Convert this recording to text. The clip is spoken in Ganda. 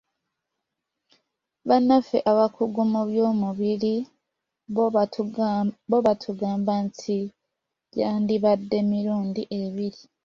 Bannaffe abakugu mu by'omubiri bo batugamba nti gyandibadde emilundi ebiri.